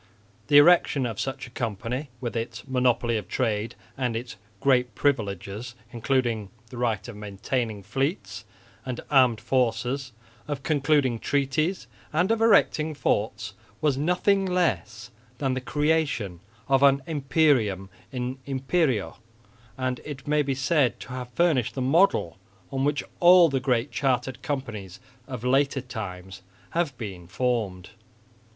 The erection of such a company, with its monopoly of trade and its great privileges including the right of maintaining fleets and armed forces, of concluding treaties and of erecting forts, was nothing less than the creation of an imperium in imperio; and it may be said to have furnished the model on which all the great chartered companies of later times have been formed.